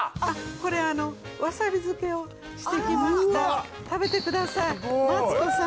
これわさび漬けをしてきました食べてくださいマツコさん